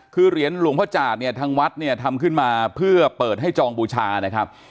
คือเหรียญหลวงพ่อจาดเนี่ยทางวัดเนี่ยทำขึ้นมาเพื่อเปิดให้จองบูชานะครับ